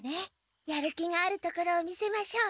やる気があるところを見せましょう。